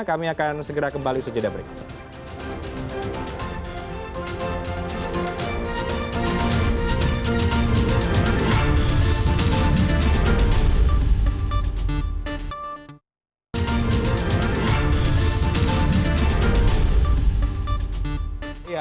kami akan segera kembali setelah break